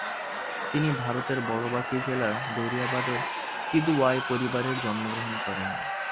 তিনি ভারতের বড়বাঁকী জেলার দারিয়াবাদের কিদওয়াই পরিবারে জন্মগ্রহণ করেন।